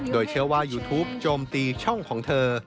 โดยเชื่อว่ายูทูปโจมตีช่องของเธอ